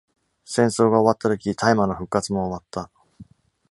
戦争が終わったとき、大麻の復活も終わった。